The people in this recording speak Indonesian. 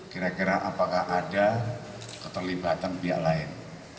kira kira apakah ada keterlibatan pihak lain